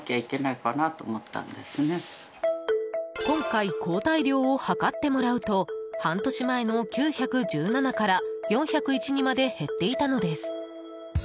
今回抗体量をはかってもらうと半年前の９１７から４０１にまで減っていたのです。